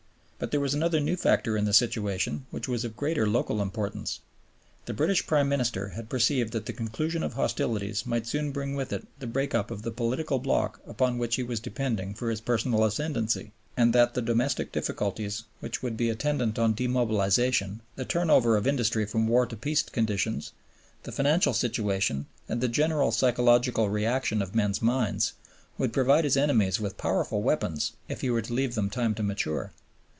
But there was another new factor in the situation which was of greater local importance. The British Prime Minister had perceived that the conclusion of hostilities might soon bring with it the break up of the political bloc upon which he was depending for his personal ascendency, and that the domestic difficulties which would be attendant on demobilization, the turn over of industry from war to peace conditions, the financial situation, and the general psychological reactions of men's minds, would provide his enemies with powerful weapons, if he were to leave them time to mature.